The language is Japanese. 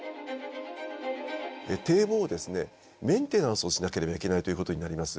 堤防をですねメンテナンスをしなければいけないということになります。